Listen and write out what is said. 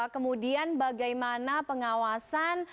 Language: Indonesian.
kemudian bagaimana pengawasan